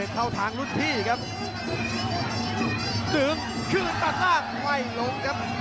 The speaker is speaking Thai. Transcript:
ฉลมไปหน้าของฤทธิ์ชัยเลยครับ